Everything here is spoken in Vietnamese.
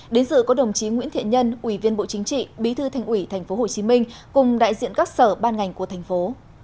đến dự có đồng chí nguyễn thiện nhân ủy viên bộ chính trị bí thư thành ủy tp hcm cùng đại diện các sở ban ngành của thành phố